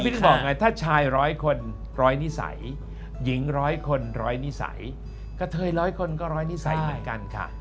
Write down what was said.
บอกไงถ้าชายร้อยคนร้อยนิสัยหญิงร้อยคนร้อยนิสัยกระเทยร้อยคนก็ร้อยนิสัยเหมือนกันค่ะ